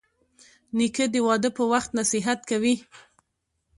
نیکه د واده پر وخت نصیحت کوي.